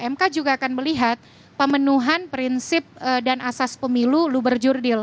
mk juga akan melihat pemenuhan prinsip dan asas pemilu luber jurdil